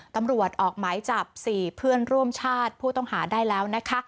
ตำรวจออกหมายจับ๔เพื่อนร่วมชาติผู้ต้องหาได้แล้วนะคะ